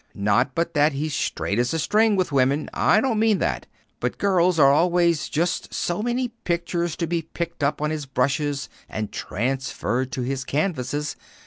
Not but that he's straight as a string with women I don't mean that; but girls are always just so many pictures to be picked up on his brushes and transferred to his canvases.